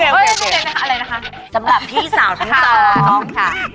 พี่สาวทั้งสองค่ะ